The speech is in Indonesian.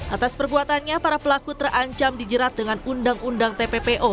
atas perbuatannya para pelaku terancam dijerat dengan undang undang tppo